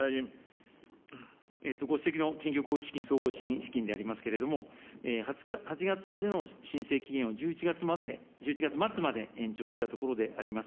ご指摘の緊急、総合支援資金でありますけれども、８月までの申請期限を１１月末まで延長したところであります。